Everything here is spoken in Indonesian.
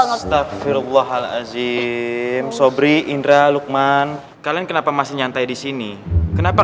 astagfirullahal'azim sobri indra lukman kalian kenapa masih nyantai disini kenapa